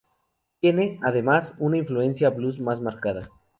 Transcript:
Tiene, además, una influencia blues más marcada.